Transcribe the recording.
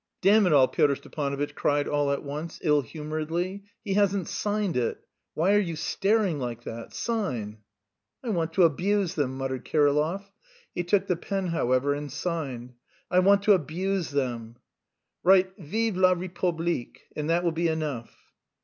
"Damn it all," Pyotr Stepanovitch cried all at once, ill humouredly, "he hasn't signed it! Why are you staring like that? Sign!" "I want to abuse them," muttered Kirillov. He took the pen, however, and signed. "I want to abuse them." "Write 'Vive la république,' and that will be enough."